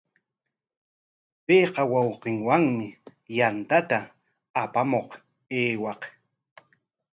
Payqa wawqinwami yantata apamuq aywaq.